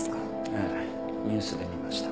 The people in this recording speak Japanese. ええニュースで見ました。